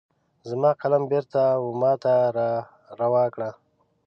زما قلم بیرته وماته را روا کړه